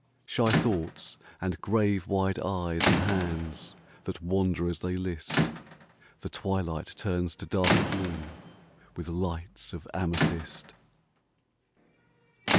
"'\ Shy thoughts and grave wide eyes and j hands ' That wander as they list —^ The twilight turns to darker blue With lights of amethyst.